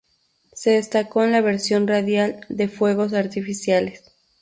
Se destacó en la versión radial de "Fuegos artificiales".